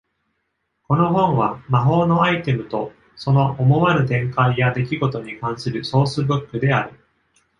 この本は、魔法のアイテムと、その思わぬ展開や出来事に関するソースブックである。